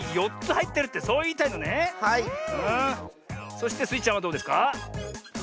そしてスイちゃんはどうですか？